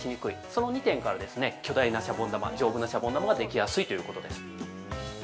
その２点から、巨大なシャボン玉、丈夫なシャボン玉ができやすいということです。